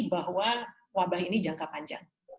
bahwa wabah ini jangka panjang